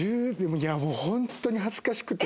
いやもうホントに恥ずかしくて。